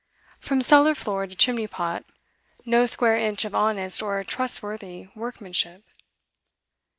From cellar floor to chimney pot, no square inch of honest or trustworthy workmanship.